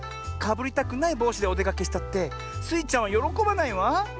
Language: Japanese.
かぶりたくないぼうしでおでかけしたってスイちゃんはよろこばないわ。